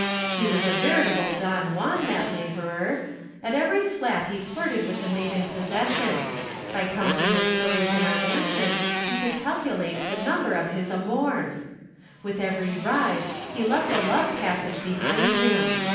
He was a veritable Don Juan, that laborer. At every flat he flirted with the maid in possession. By counting the storeys in our mansion you could calculate the number of his amours. With every rise he left a love passage behind him.